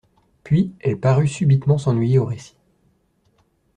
Puis, elle parut subitement s'ennuyer au récit.